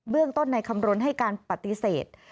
เรื่องต้นในคำรณให้การปฏิเสธ